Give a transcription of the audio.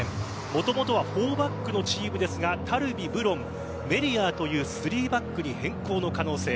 もともとは４バックのチームですがタルビ、ブロンメリアーという３バックに変更の可能性。